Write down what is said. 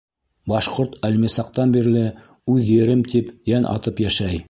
Башҡорт әлмисаҡтан бирле үҙ ерем тип йән атып йәшәй.